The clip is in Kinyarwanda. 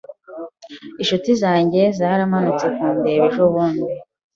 Inshuti zanjye zaramanutse kundeba ejobundi.